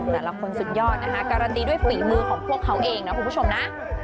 แต่ละคนสุดยอดนะคะการันตีด้วยฝีมือของพวกเขาเองนะคุณผู้ชมนะ